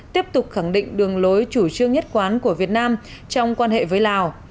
tiếp tục khẳng định đường lối chủ trương nhất quán của việt nam trong quan hệ với lào